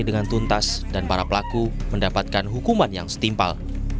dengan tuntas dan para pelaku mendapatkan hukuman yang setimpal